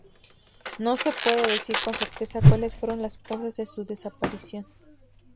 No se puede decir con certeza cuáles fueron las causas de su desaparición.